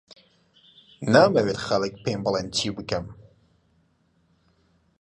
نامەوێت خەڵک پێم بڵێن چی بکەم.